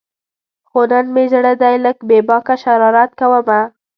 خو نن مې زړه دی لږ بې باکه شرارت کومه